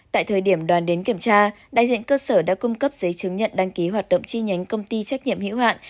tại thời điểm đoàn đến kiểm tra đại diện cơ sở đã cung cấp giấy chứng nhận đăng ký hoạt động chi nhánh công ty trách nhiệm hữu hạn